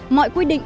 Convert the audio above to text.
mọi quy định